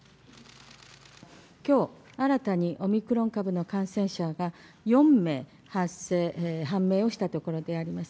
きょう、新たにオミクロン株の感染者が、４名判明をしたところであります。